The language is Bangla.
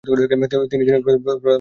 তিনি প্রথম তাদের শৃঙ্খলায় আনেন।